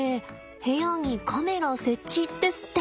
「部屋にカメラ設置」ですって。